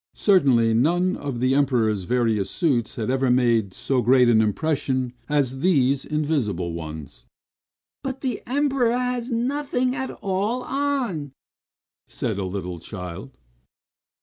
Certainly, none of the Emperor's various suits, had ever made so great an impression, as these invisible ones. "But the Emperor has nothing at all on!" said a little child.